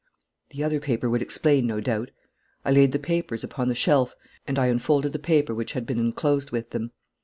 The other paper would explain, no doubt. I laid the letters upon the shelf and I unfolded the paper which had been enclosed with them.